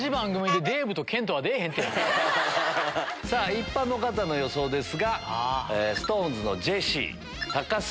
一般の方の予想です。